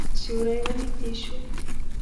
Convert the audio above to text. سیوری ورنږدې شو.